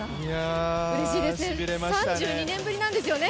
うれしいですね３２年ぶりなんですよね。